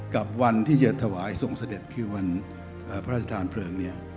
กับวันที่จะถวายทรงเสด็จคือวันพระราชทานเพลิงเนี่ย